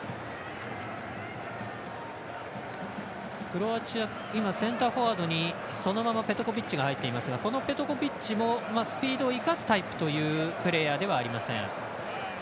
クロアチアセンターフォワードにそのままペトコビッチが入っていますがこのペトコビッチもスピードを生かすタイプのプレーヤーではありません。